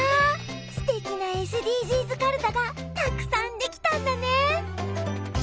すてきなＳＤＧｓかるたがたくさん出来たんだね！